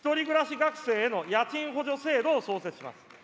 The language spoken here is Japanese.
学生への家賃補助制度を創設します。